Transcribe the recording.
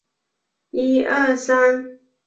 妖洱尺蛾为尺蛾科洱尺蛾属下的一个种。